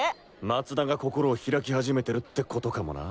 松田が心を開き始めてるってことかもな。